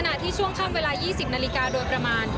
ที่ช่วงค่ำเวลา๒๐นาฬิกาโดยประมาณ